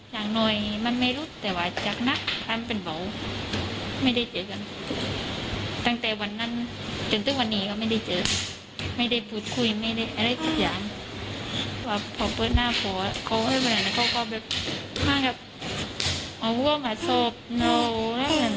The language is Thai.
เอาเวลากับศพเหล่าและหลั่งประมาณนั้น